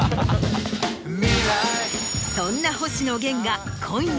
そんな星野源が今夜。